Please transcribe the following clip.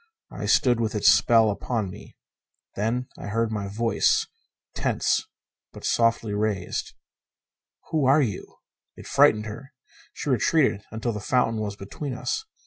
I stood with its spell upon me. Then I heard my voice, tense but softly raised. "Who are you?" It frightened her. She retreated until the fountain was between us.